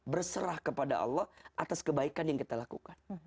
berserah kepada allah atas kebaikan yang kita lakukan